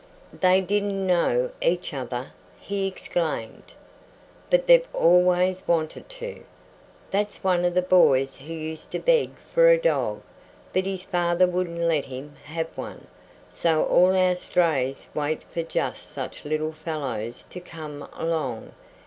"They didn't know each other!" he exclaimed. "But they've always wanted to. That's one of the boys who used to beg for a dog, but his father wouldn't let him have one. So all our strays wait for just such little fellows to come along.